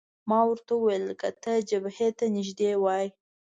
ما ورته وویل: که ته جبهې ته نږدې وای.